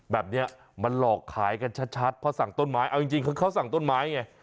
แบบนี้มันหลอกขายกันชัดเพราะสั่งต้นไม้เอาจริงคือเขาสั่งต้นไม้ไง